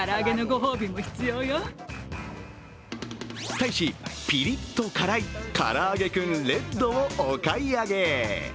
大使、ピリッと辛いからあげクンレッドをお買い上げ。